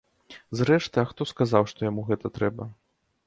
Зрэшты, а хто сказаў, што яму гэта трэба.